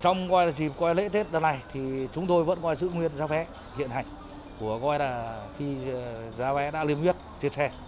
trong dịp quay lễ tết này thì chúng tôi vẫn có giữ nguyên giá vé hiện hành của quay là khi giá vé đã liêm nguyên trên xe